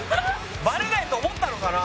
バレないと思ったのかな？